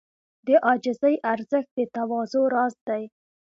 د عاجزۍ ارزښت د تواضع راز دی.